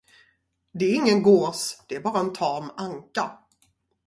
Det är ingen gås, det är bara en tam anka.